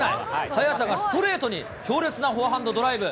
早田がストレートに強烈なフォアハンドドライブ。